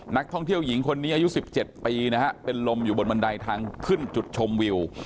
นักท่องเที่ยวหญิงคนนี้อายุ๑๗ปีนะฮะเป็นลมอยู่บนบันไดทางขึ้นจุดชมวิว